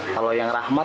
kalau yang rahmat